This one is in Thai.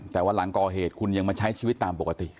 แต่ว่าหลังก่อเหตุคุณยังมาใช้ชีวิตตามปกติ